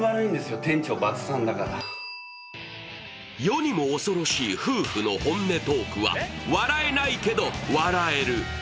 世にも恐ろしい夫婦の本音トークは笑えないけど笑える。